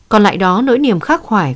còn lại đó nỗi niềm khắc khoải